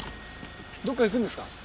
どこか行くんですか？